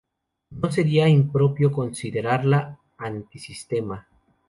No sería impropio considerarla "antisistema".